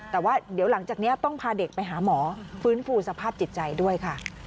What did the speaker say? แต่ว่าเดี๋ยวหลังจากนี้ต้องพาเด็กไปหาหมอฟื้นฟูสภาพจิตใจด้วยค่ะ